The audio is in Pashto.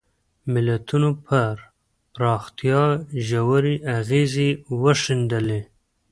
ملتونو پر پراختیا ژورې اغېزې وښندلې.